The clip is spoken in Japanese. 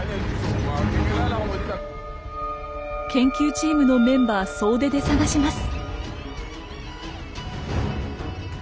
研究チームのメンバー総出で探します。